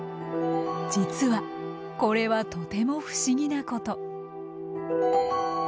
実はこれはとても不思議なこと。